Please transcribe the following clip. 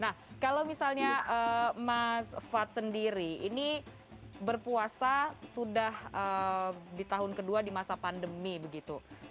nah kalau misalnya mas fad sendiri ini berpuasa sudah di tahun kedua di masa pandemi begitu